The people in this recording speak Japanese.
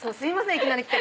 いきなり来て。